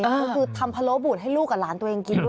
ก็คือทำพะโล้บูดให้ลูกกับหลานตัวเองกินด้วย